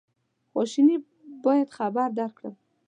خواشیني باید خبر درکړم.